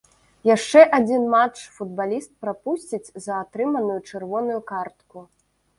Яшчэ адзін матч футбаліст прапусціць за атрыманую чырвоную картку.